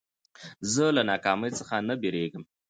زه له ناکامۍ څخه نه بېرېږم.